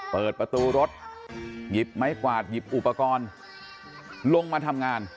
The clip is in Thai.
เปิดประตูรถหยิบไม้กวาดหยิบอุปกรณ์ลงมาทำงาน